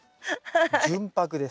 純白です。